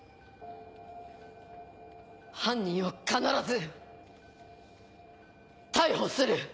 犯人を必ず逮捕する。